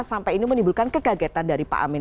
sampai ini menimbulkan kegagetan dari pak amin